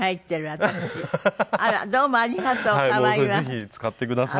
ぜひ使ってください。